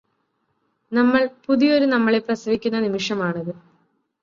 നമ്മള് പുതിയൊരു നമ്മളെ പ്രസിവിക്കുന്ന നിമിഷമാണത്